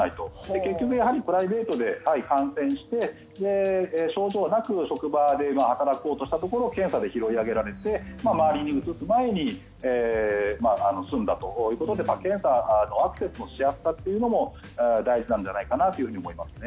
結局、プライベートで感染して症状なく職場で働こうとしたところ検査で拾うことができて周りにうつす前に済んだということで検査のアクセスのしやすさも大事なんじゃないかなと思いますね。